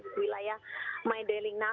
dua duanya semakin tinggi